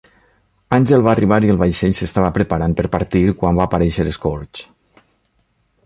Angel va arribar i el vaixell s"estava preparant per partir quan va aparèixer Scourge.